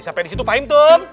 sampai disitu fahim tum